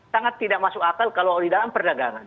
sangat tidak masuk akal kalau di dalam perdagangan